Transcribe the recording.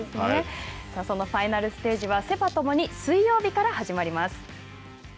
そのファイナルステージはセパ共に水曜日から始まります。